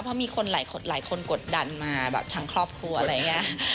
เพราะมีคนหลายคนกดดันมาแบบทั้งครอบครัวอะไรอย่างนี้